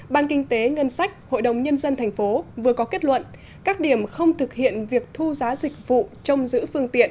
ban kinh tế ngân sách hội đồng nhân dân thành phố vừa có kết luận các điểm không thực hiện việc thu giá dịch vụ trông giữ phương tiện